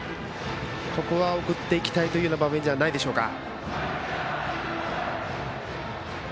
ここは送っていきたいというような場面じゃないでしょうか。